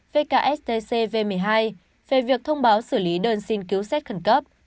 năm nghìn sáu trăm một mươi hai vkstcv một mươi hai về việc thông báo xử lý đơn xin cứu sát khẩn cấp